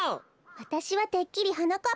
わたしはてっきりはなかっ